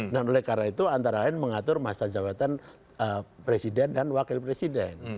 nah oleh karena itu antara lain mengatur masa jabatan presiden dan wakil presiden